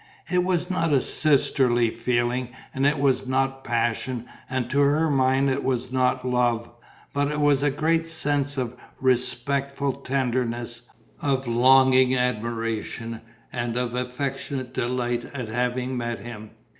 It was not a sisterly feeling and it was not passion and to her mind it was not love; but it was a great sense of respectful tenderness, of longing admiration and of affectionate delight at having met him.